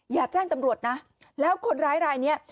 อย่าแจ้งตำรวจนะแล้วคนร้ายรายนี้